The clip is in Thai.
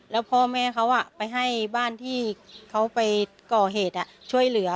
แล้วพ่อแม่เขาไปให้บ้านที่เขาไปก่อเหตุช่วยเหลือ